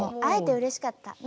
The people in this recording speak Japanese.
会えてうれしかった。